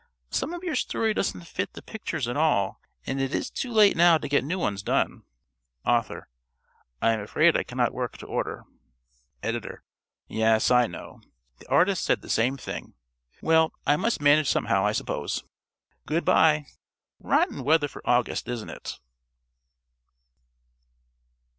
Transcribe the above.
Some of your story doesn't fit the pictures at all, and it is too late now to get new ones done._ ~Author.~ I am afraid I cannot work to order. ~Editor.~ _Yes, I know. The artist said the same thing. Well, I must manage somehow, I suppose. Good bye. Rotten weather for August, isn't it?